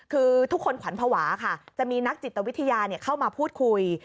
คือทุกคนขวัญภาวะค่ะจะมีนักจิตวิทยาเข้ามาพูดคุย